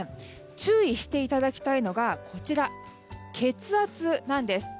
注意していただきたいのが血圧なんです。